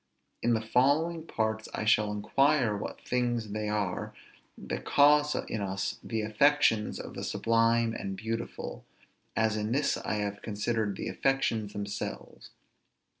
In the following parts I shall inquire what things they are that cause in us the affections of the sublime and beautiful, as in this I have considered the affections themselves.